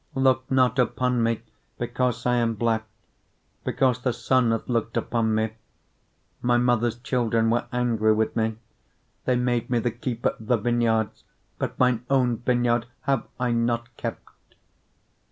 1:6 Look not upon me, because I am black, because the sun hath looked upon me: my mother's children were angry with me; they made me the keeper of the vineyards; but mine own vineyard have I not kept.